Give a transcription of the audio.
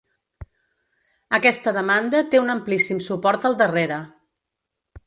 Aquesta demanda té un amplíssim suport al darrere.